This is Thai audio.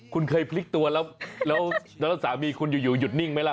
คุณเคยพลิกตัวแล้วสามีคุณอยู่หยุดนิ่งมั้ยหล่ะ